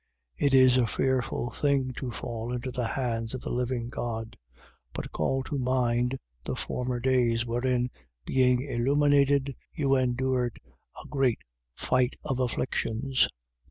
10:31. It is a fearful thing to fall into the hands of the living God. 10:32. But call to mind the former days, wherein, being illuminated, you endured a great fight of afflictions.